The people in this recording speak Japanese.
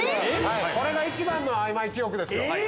これが一番のあいまい記憶ですよ。